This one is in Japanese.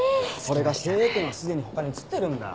それが経営権は既に他に移ってるんだ。